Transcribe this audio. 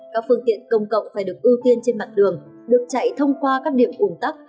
các phương tiện công cộng phải được ưu tiên trên mặt đường được chạy thông qua các điểm ủng tắc